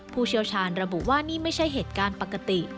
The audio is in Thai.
ผู้เชี่ยวชาญระบุว่านี่ไม่ใช่เหตุการณ์ปกติ